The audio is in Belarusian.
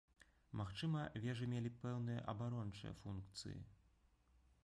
Магчыма, вежы мелі пэўныя абарончыя функцыі.